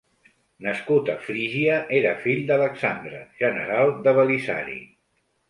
Nascut a Frígia, era fill d'Alexandre, general de Belisari.